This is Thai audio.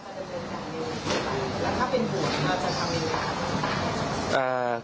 ก็อยู่ดังไหนอย่างกัน